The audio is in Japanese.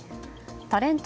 タレント